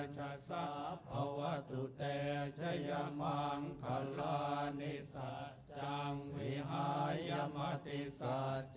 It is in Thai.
จสัพพวทุเตเจยามังคลานิสัจจังวิฮายมัธิสัจ